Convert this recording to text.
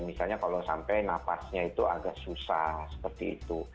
misalnya kalau sampai napasnya itu agak susah seperti itu